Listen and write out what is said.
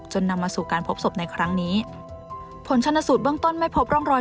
นำมาสู่การพบศพในครั้งนี้ผลชนสูตรเบื้องต้นไม่พบร่องรอย